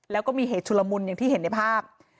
แล้วก็มีเหตุชุลมุนอย่างที่เห็นในภาพ